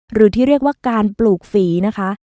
หรือที่เรียกว่าการปลูกฝีนะคะ